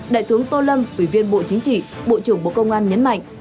đại tướng tô lâm ủy viên bộ chính trị bộ trưởng bộ công an nhấn mạnh